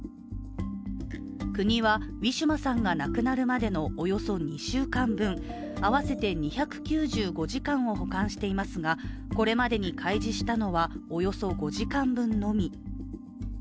国はウィシュマさんが亡くなるまでのおよそ２週間分、合わせて２９５時間を保管していますがこれまでに開示したのはおよそ５時間分のみ。